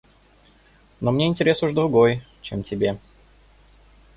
Но мне интерес уж другой, чем тебе.